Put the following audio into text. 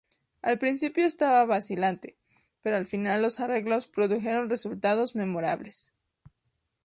Al principio estaba vacilante, pero al final los arreglos produjeron resultados memorables.